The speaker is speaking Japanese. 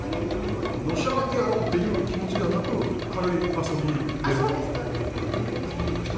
のし上がってやろうという気持ちではなくそうです。